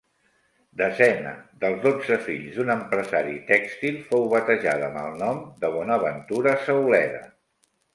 Desena dels dotze fills d'un empresari tèxtil, fou batejada amb el nom de Bonaventura Sauleda.